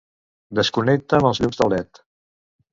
Desconnecta'm els llums de led.